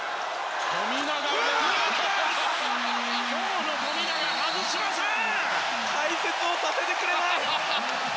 今日の富永、外しません。